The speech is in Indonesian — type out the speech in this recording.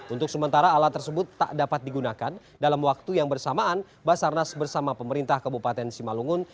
untuk sementara alat tersebut tak dapat digunakan dalam waktu yang bersamaan basarnas bersama pemerintah kabupaten simalungun